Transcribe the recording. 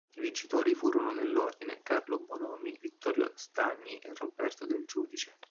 I vincitori furono, nell'ordine, Carlo Bonomi, Vittorio Stagni e Roberto Del Giudice.